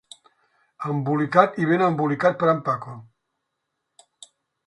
Embolicat i ben embolicat per en Paco.